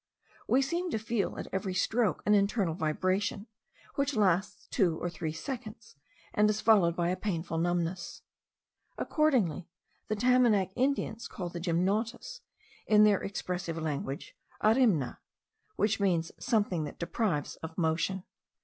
We seem to feel, at every stroke, an internal vibration, which lasts two or three seconds, and is followed by a painful numbness. Accordingly, the Tamanac Indians call the gymnotus, in their expressive language, arimna, which means something that deprives of motion.